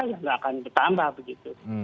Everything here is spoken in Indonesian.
tidak akan bertambah begitu